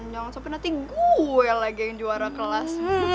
jangan sampai nanti gue lagi yang juara kelas